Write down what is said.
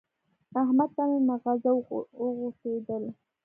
احمد ته مې ماغزه وخوټېدل.